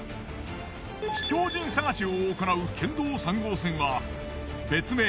秘境人探しを行う県道３号線は別名